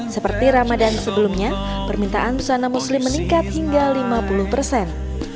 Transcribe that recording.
seperti ramadan sebelumnya permintaan busana muslim meningkat hingga lima puluh persen